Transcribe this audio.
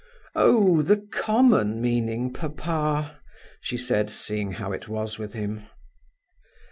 "Oh, the common meaning, papa," she said, seeing how it was with him.